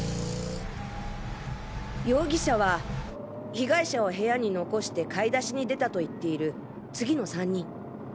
容疑者は被害者を部屋に残して買い出しに出たと言っている次の３人。